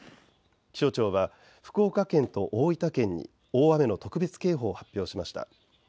気象庁は福岡県と大分県に大雨の特別警報を発表しました。